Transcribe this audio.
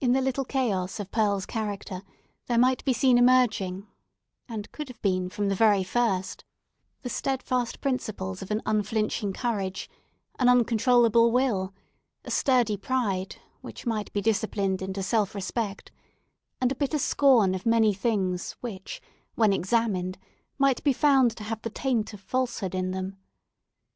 In the little chaos of Pearl's character there might be seen emerging and could have been from the very first—the steadfast principles of an unflinching courage—an uncontrollable will—sturdy pride, which might be disciplined into self respect—and a bitter scorn of many things which, when examined, might be found to have the taint of falsehood in them.